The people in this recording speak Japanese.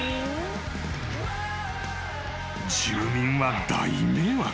［住民は大迷惑］